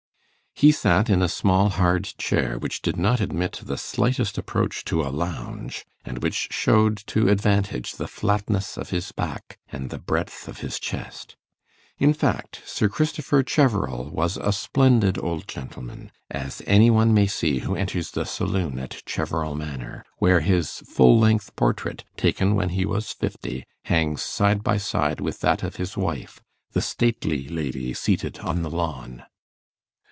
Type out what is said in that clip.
He sat in a small hard chair, which did not admit the slightest approach to a lounge, and which showed to advantage the flatness of his back and the breadth of his chest. In fact, Sir Christopher Cheverel was a splendid old gentleman, as any one may see who enters the saloon at Cheverel Manor, where his full length portrait, taken when he was fifty, hangs side by side with that of his wife, the stately lady seated on the lawn.